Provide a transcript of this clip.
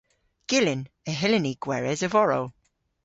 Gyllyn. Y hyllyn ni gweres a-vorow.